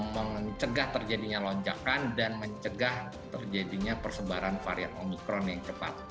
mencegah terjadinya lonjakan dan mencegah terjadinya persebaran varian omikron yang cepat